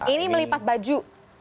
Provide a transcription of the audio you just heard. ini melipat baju